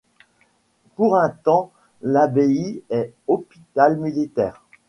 Pour un temps l'abbaye est hôpital militaire.